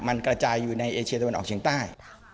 มันกระจายอยู่ในเอเชียตะวันออกเฉียงใต้